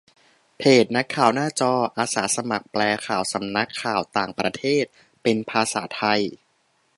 เพจ นักข่าวหน้าจอ อาสาสมัครแปลข่าวสำนักข่าวต่างประเทศเป็นภาษาไทย